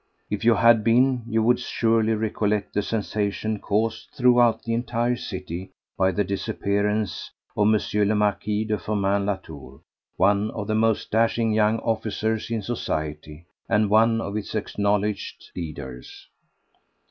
If you had been, you would surely recollect the sensation caused throughout the entire city by the disappearance of M. le Marquis de Firmin Latour, one of the most dashing young officers in society and one of its acknowledged leaders.